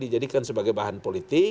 dijadikan sebagai bahan politik